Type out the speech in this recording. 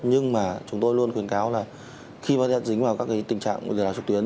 nhưng mà chúng tôi luôn khuyến cáo là khi mà dính vào các tình trạng lừa đảo trực tuyến